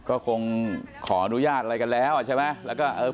ก็คงขออนุญาตอะไรกันแล้วใช่ไหม